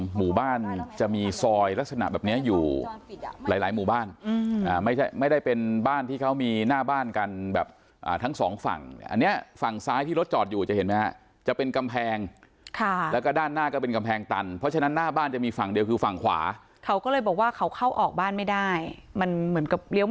หมู่บ้านจะมีซอยลักษณะแบบเนี้ยอยู่หลายหมู่บ้านไม่ได้ไม่ได้เป็นบ้านที่เขามีหน้าบ้านกันแบบทั้งสองฝั่งอันเนี้ยฝั่งซ้ายที่รถจอดอยู่จะเห็นไหมฮะจะเป็นกำแพงค่ะแล้วก็ด้านหน้าก็เป็นกำแพงตันเพราะฉะนั้นหน้าบ้านจะมีฝั่งเดียวคือฝั่งขวาเขาก็เลยบอกว่าเขาเข้าออกบ้านไม่ได้มันเหมือนกับเลี้ย